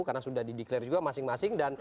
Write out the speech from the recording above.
karena sudah di deklarir juga masing masing